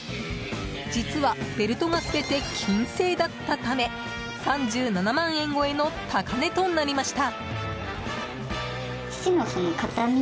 実はベルトが全て金製だったため３７万円超えの高値となりました。